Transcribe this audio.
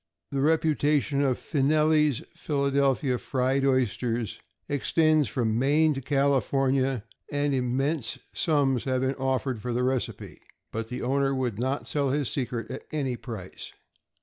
The reputation of Finneli's Philadelphia fried oysters extends from Maine to California; and immense sums have been offered for the recipe, but its owner would not sell his secret at any price.